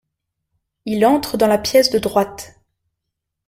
Il entre dans la pièce de droite.